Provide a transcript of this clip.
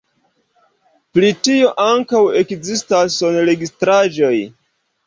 Pri tio ankaŭ ekzistas sonregistraĵoj.